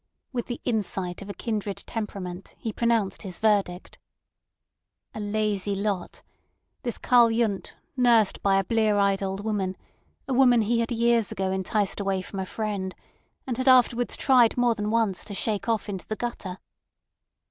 With the insight of a kindred temperament he pronounced his verdict. A lazy lot—this Karl Yundt, nursed by a blear eyed old woman, a woman he had years ago enticed away from a friend, and afterwards had tried more than once to shake off into the gutter.